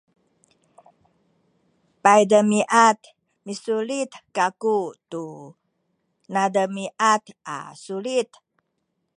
paydemiad misulit kaku tu nademiad a sulit